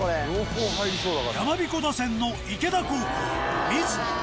やまびこ打線の池田高校水野。